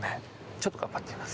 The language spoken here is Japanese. ちょっと頑張ってみます。